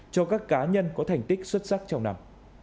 cho các cá nhân có thành tích xuất sắc trong năm